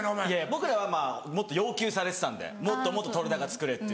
僕らはもっと要求されてたんで「もっともっと撮れ高作れ」って。